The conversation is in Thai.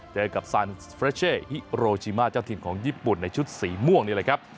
เจอกับซานสเฟรเช่ฮิโรชิมาเจ้าถิ่นของญี่ปุ่นในชุดสีม่วงนี่แหละครับ